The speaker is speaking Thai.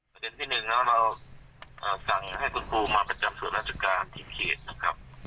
ประเด็นที่หนึ่งแล้วเราสั่งให้คุณครูมาประจำส่วนราชการที่เขตนะครับ